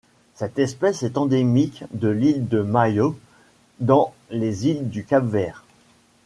Cette espèce est endémique de l'île de Maio dans les îles du Cap-Vert.